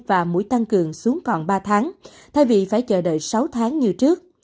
và mũi tăng cường xuống còn ba tháng thay vì phải chờ đợi sáu tháng như trước